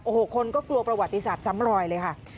โอ้โหคนก็กลัวประวัติศาสตร์ซ้ำรอยเลยค่ะ